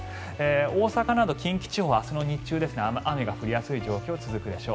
大阪など近畿地方は明日の日中、雨の降りやすい状況が続くでしょう。